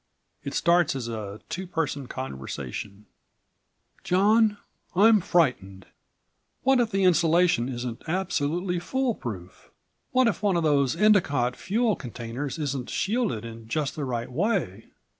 It starts as a two person conversation: "John, I'm frightened. What if the insulation isn't absolutely foolproof? What if one of those Endicott Fuel containers isn't shielded in just the right way?